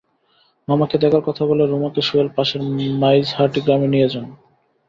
মামাকে দেখার কথা বলে রুমাকে সোহেল পাশের মাইজহাটি গ্রামে নিয়ে যান।